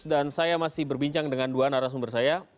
dan saya masih berbincang dengan dua narasumber saya